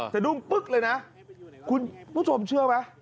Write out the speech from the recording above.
สะดุ้งปึ๊กเลยนะคุณผู้ชมเชื่อไหม